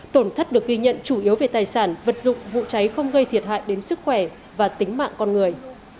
tổn thất được ghi nhận chủ yếu về tài sản vật dụng vụ cháy không gây thiệt hại đến sức khỏe và tính mạng con người